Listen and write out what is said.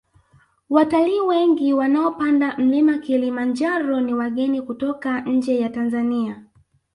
watalii wengi wanaopanda mlima kilimanjaro ni wageni kutoka nje ya tanzania